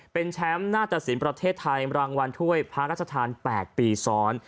เป็นแชมป์หน้าตะสินประเทศไทยรางวัลถ้วยพระราชทาน๘ปีซ้อน